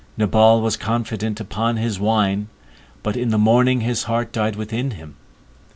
Nabal was confident upon his wine, but in the morning his heart died within him.